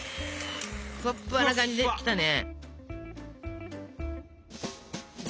ふわふわな感じできたね。